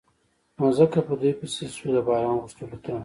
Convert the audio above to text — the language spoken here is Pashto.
نو ځکه په دوی پسې شو د باران غوښتلو ته.